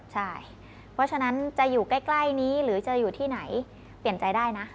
ใช่เพราะฉะนั้นจะอยู่ใกล้นี้หรือจะอยู่ที่ไหนเปลี่ยนใจได้นะ